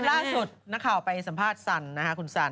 ล่าสุดนักข่าวไปสัมภาษณ์สันนะคะคุณสัน